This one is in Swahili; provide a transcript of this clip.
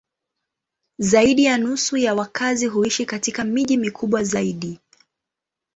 Zaidi ya nusu ya wakazi huishi katika miji mikubwa zaidi.